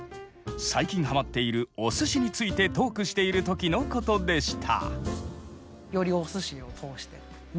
最近ハマっているお寿司についてトークしている時のことでした。